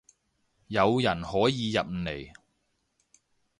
有人可以入嚟